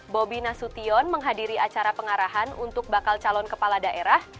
bobi nasution menghadiri acara pengarahan untuk bakal calon kepala daerah